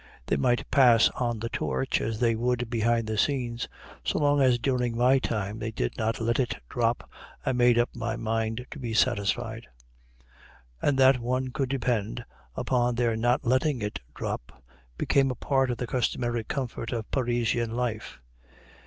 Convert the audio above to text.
They might pass on the torch as they would behind the scenes; so long as during my time they did not let it drop I made up my mind to be satisfied. And that one could depend upon their not letting it drop became a part of the customary comfort of Parisian life.